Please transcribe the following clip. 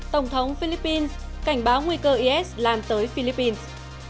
tổng thống philippines cảnh báo nguy cơ is lan tới philippines